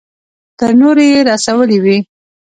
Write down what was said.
تر نورو يې رسولې وي.